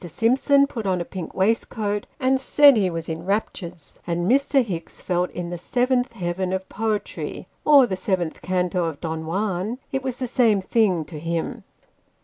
Simpson put on a pink waistcoat, and said he was in raptures ; and Mr. Hicks felt in the seventh heaven of poetry or the seventh canto of Don Juan it was the same thing to him.